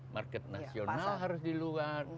market nasional harus di luar